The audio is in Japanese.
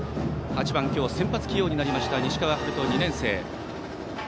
８番、先発起用になりました西川陽都、２年生。